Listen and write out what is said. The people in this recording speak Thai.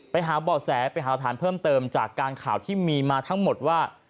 ไปหาเหมือนแลเพิ่มเติมจากการข่าวที่มีมาทั้งหมดว่า